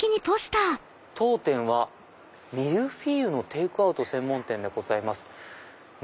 「当店はミルフィーユのテイクアウト専門店でございます」。